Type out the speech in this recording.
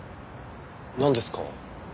なんですか？